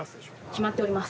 決まっております。